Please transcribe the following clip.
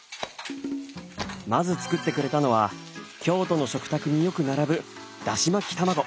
まず作ってくれたのは京都の食卓によく並ぶだし巻き卵。